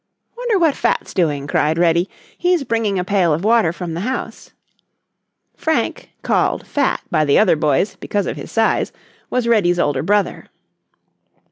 "Wonder what Fat's doing?" cried Reddy. "He's bringing a pail of water from the house." Frank, called "Fat" by the other boys, because of his size, was Reddy's older brother.